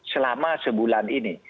selama sebulan ini